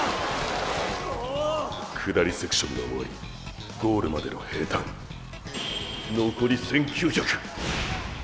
下りセクションが終わりゴールまでの平坦残り１９００！